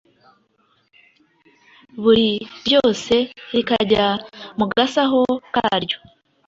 buri ryose rikajya mu gasaho karyo.